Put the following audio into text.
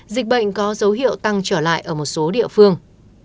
dịch bệnh có dấu hiệu tăng trở lại ở một số địa phương